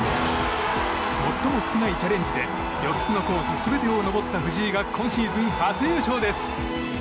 最も少ないチャレンジで４つのコース全てを登った藤井が今シーズン初優勝です。